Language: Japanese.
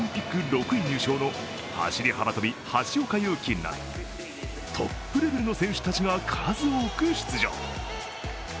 ６位入賞の走り幅跳び・橋岡優輝など、トップレベルの選手たちが数多く出場。